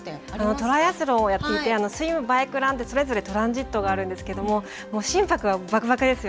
トライアスロンをやっていて、スイム、バイク、ランでそれぞれトランジットがあるんですけれども、心拍がばくばくですよ。